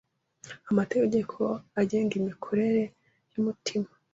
Amategeko agenga imikorere y’umutima